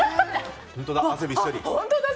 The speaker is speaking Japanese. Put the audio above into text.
あ、本当だ！